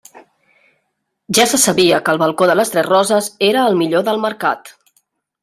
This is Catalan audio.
Ja se sabia que el balcó de Les Tres Roses era el millor del Mercat.